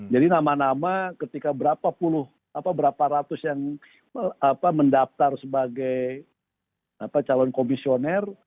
jadi nama nama ketika berapa puluh berapa ratus yang mendaftar sebagai calon komisioner